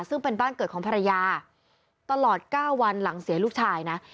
ซึ่งเป็นบ้านเกิดของภรรยาตลอด๙วันหลังเสียลูกชายนะ